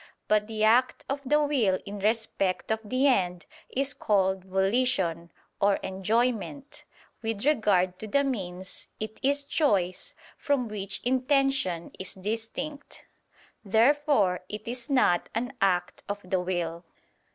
But the act of the will in respect of the end is called volition, or enjoyment; with regard to the means, it is choice, from which intention is distinct. Therefore it is not an act of the will.